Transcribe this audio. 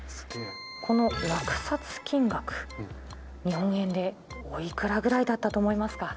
この落札金額日本円でおいくらぐらいだったと思いますか？